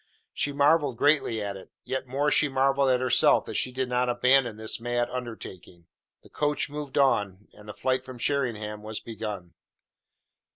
She marvelled greatly at it, yet more she marvelled at herself that she did not abandon this mad undertaking. The coach moved on and the flight from Sheringham was begun.